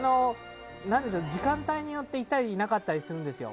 時間帯によっていたりいなかったりするんですよ。